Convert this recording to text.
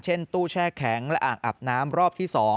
ตู้แช่แข็งและอ่างอาบน้ำรอบที่๒